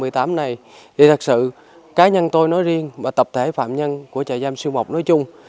thì thật sự cá nhân tôi nói riêng và tập thể phạm nhân của trại giam xuân mộc nói chung